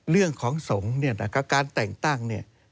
เรื่องของสงฆ์การแต่งตั้ง